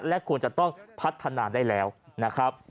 และควรจะต้องพัฒนาได้แล้วนะครับ